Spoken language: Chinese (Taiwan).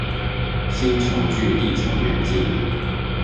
星球距地球遠近